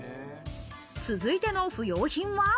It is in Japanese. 続いての不用品は。